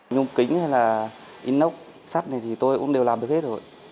nhung kính hay là inox sắt này thì tôi cũng đều làm được hết rồi